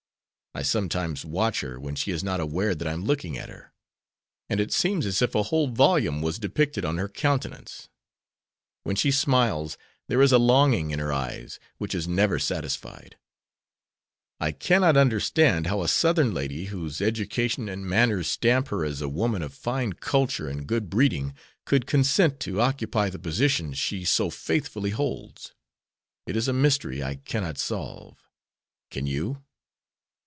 I sometimes watch her when she is not aware that I am looking at her, and it seems as if a whole volume was depicted on her countenance. When she smiles, there is a longing in her eyes which is never satisfied. I cannot understand how a Southern lady, whose education and manners stamp her as a woman of fine culture and good breeding, could consent to occupy the position she so faithfully holds. It is a mystery I cannot solve. Can you?"